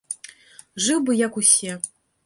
Жыў бы як усе.